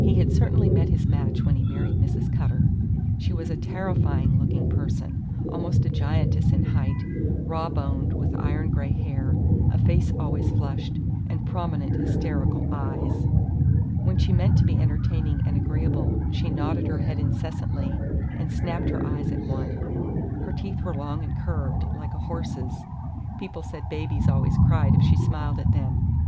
He had certainly met his match when he married Mrs. Cutter. She was a terrifying looking person; almost a giantess in height, raw boned, with iron gray hair, a face always flushed, and prominent, hysterical eyes. When she meant to be entertaining and agreeable, she nodded her head incessantly and snapped her eyes at one. Her teeth were long and curved, like a horse's; people said babies always cried if she smiled at them.